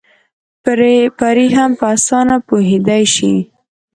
پرې هم په اسانه پوهېدی شي